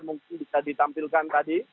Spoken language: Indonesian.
mungkin bisa ditampilkan tadi